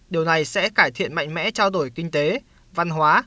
điều này sẽ cải thiện mạnh mẽ trao đổi kinh tế văn hóa